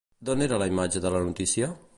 D'on era la imatge de la notícia?